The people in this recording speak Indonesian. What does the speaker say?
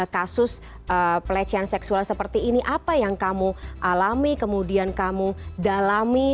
kasus pelecehan seksual seperti ini apa yang kamu alami kemudian kamu dalami